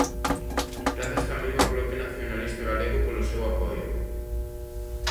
Grazas tamén ao Bloque Nacionalista Galego polo seu apoio.